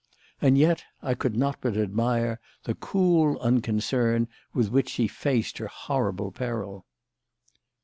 And yet I could not but admire the cool unconcern with which she faced her horrible peril.